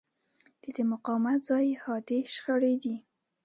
د دې مقاومت ځای حادې شخړې دي.